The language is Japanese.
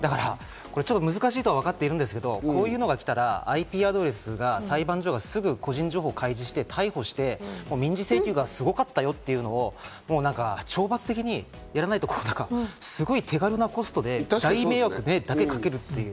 難しいと分かっているんですけど、こういうのが来たら、ＩＰアドレスを裁判所がすぐに開示して、民事請求がすごかったよっていうのを懲罰的にやらないと、すごく手軽なコストで大迷惑だけかける。